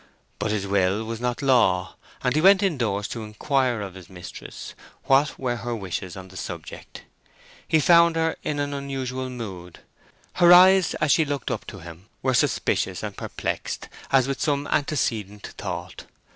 But his will was not law, and he went indoors to inquire of his mistress what were her wishes on the subject. He found her in an unusual mood: her eyes as she looked up to him were suspicious and perplexed as with some antecedent thought.